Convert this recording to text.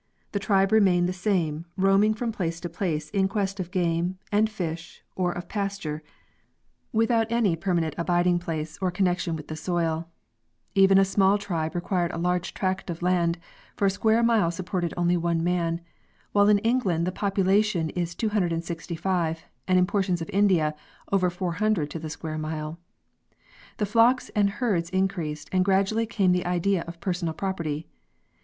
~The tribe remained the same, roaming from place to place in quest of game, and fish or of pasture, without any permanent abiding wrt? The Ages of human Development. 3 place or connection with the soil; even a small tribe required a Jarge tract of land, for a square mile supported only one man, while in England the population is 265 and in portions of India over 400 to the square mile. The flocks and herds increased, and gradually came the idea of personal property.